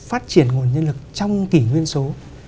phát triển nguồn nhân lực trong kỷ nguyên số